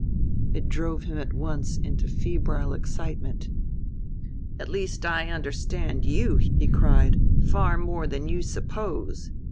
It drove him at once into febrile excitement. "At least I understand you," he cried; "far more than you suppose!